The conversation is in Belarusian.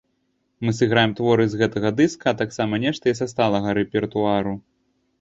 Мы сыграем творы з гэтага дыска, а таксама нешта і са сталага рэпертуару.